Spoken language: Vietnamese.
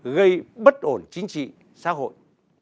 gây bất ổn chính trị xã hội